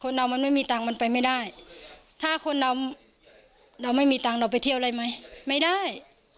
เรามันไม่มีตังค์มันไปไม่ได้ถ้าคนเราเราไม่มีตังค์เราไปเที่ยวอะไรไหมไม่ได้